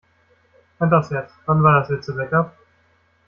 Hand aufs Herz: Wann war das letzte Backup?